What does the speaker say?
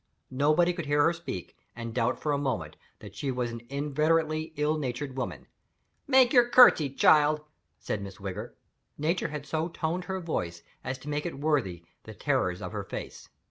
Nobody could hear her speak, and doubt for a moment that she was an inveterately ill natured woman. "Make your curtsey, child!" said Miss Wigger. Nature had so toned her voice as to make it worthy of the terrors of her face.